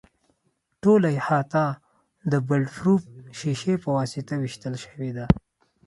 ټوله احاطه د بلټ پروف شیشې په واسطه وېشل شوې ده.